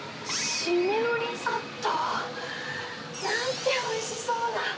締めのリゾット。なんておいしそうな。